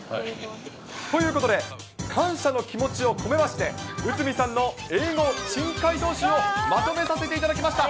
ということで、感謝の気持ちを込めまして、内海さんの英語珍解答集をまとめさせていただきました。